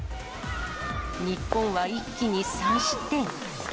日本は一気に３失点。